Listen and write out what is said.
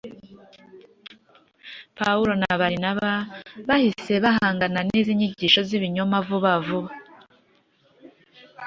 Pawulo na Barinaba bahise bahangana n’izi nyigisho z’ibinyoma vuba vuba